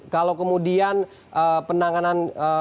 kalau kemudian penanganan